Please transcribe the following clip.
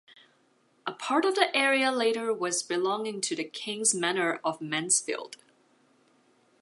A part of the area later was belonging to the King’s manor of Mansfield.